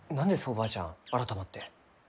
おばあちゃん改まって。